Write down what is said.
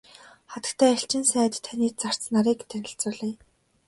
Хатагтай элчин сайд таны зарц нарыг танилцуулъя.